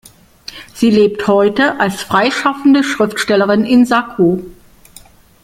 Sie lebt heute als freischaffende Schriftstellerin in Saku.